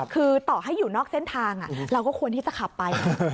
คือต่อให้อยู่นอกเส้นทางเราก็ควรที่จะขับไป